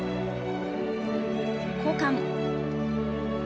交換。